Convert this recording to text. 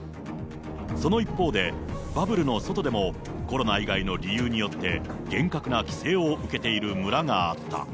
その一方で、バブルの外でも、コロナ以外の理由によって、厳格な規制を受けている村があった。